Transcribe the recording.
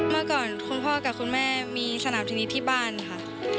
เมื่อก่อนคุณพ่อกับคุณแม่มีสนามชนิดที่บ้านค่ะ